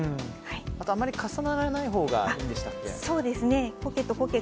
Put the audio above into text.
あと、あまり重ならないほうがいいんでしたっけ。